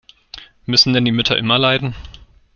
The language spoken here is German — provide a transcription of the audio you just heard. Müssen denn die Mütter immer leiden?